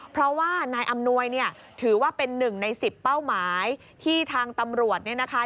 เพราะว่านายอำนวยเนี่ยถือว่าเป็นหนึ่งในสิบเป้าหมายที่ทางตำรวจเนี่ยนะคะ